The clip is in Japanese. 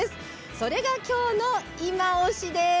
それが今日のいまオシです。